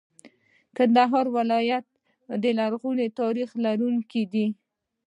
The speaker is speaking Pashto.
کندهار ولایت د لرغوني تاریخ لرونکی دی.